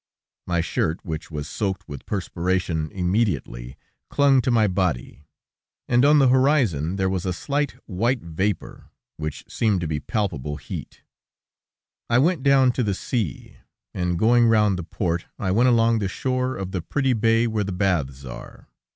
My shirt, which was soaked with perspiration immediately, clung to my body, and on the horizon there was a slight, white vapor, which seemed to be palpable heat. I went down to the sea, and going round the port, I went along the shore of the pretty bay where the baths are.